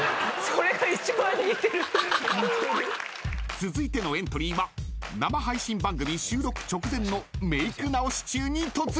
［続いてのエントリーは生配信番組収録直前のメーク直し中に突撃］